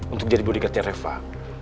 untuk jadi bodyguardnya refah